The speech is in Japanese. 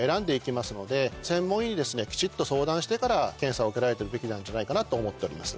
専門医にきちっと相談してから検査を受けられるべきなんじゃないかなと思っております。